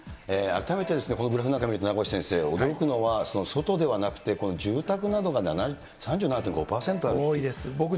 改めてこのグラフなんか見ると、名越先生、驚くのは外ではなくて、住宅などが３７．５％ある多いです。